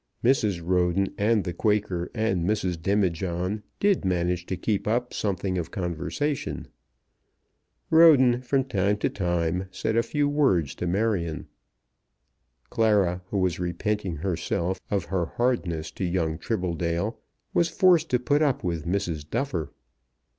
Mrs. Roden and the Quaker and Mrs. Demijohn did manage to keep up something of conversation. Roden from time to time said a few words to Marion. Clara, who was repenting herself of her hardness to young Tribbledale, was forced to put up with Mrs. Duffer.